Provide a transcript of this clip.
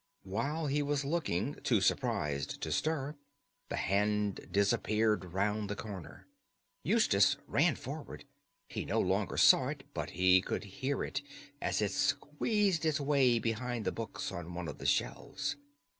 While he was looking, too surprised to stir, the hand disappeared round the corner. Eustace ran forward. He no longer saw it, but he could hear it as it squeezed its way behind the books on one of the shelves.